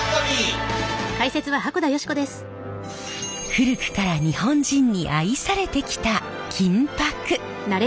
古くから日本人に愛されてきた金箔。